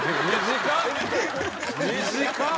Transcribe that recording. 短っ！